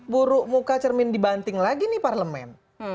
buruk muka cermin dibanting lagi nih parlemen